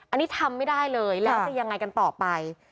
อันนี้ทำไม่ได้เลยแล้วจะยังไงกันต่อไป